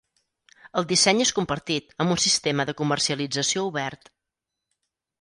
El disseny és compartit, amb un sistema de comercialització obert.